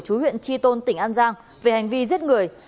chú huyện tri tôn tỉnh an giang về hành vi giết người